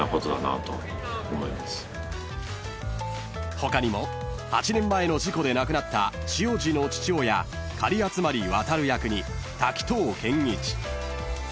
［他にも８年前の事故で亡くなった汐路の父親狩集弥役に滝藤賢一］